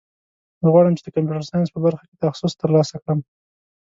زه غواړم چې د کمپیوټر ساینس په برخه کې تخصص ترلاسه کړم